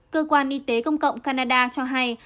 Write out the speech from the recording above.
cơ quan y tế công cộng canada cho hay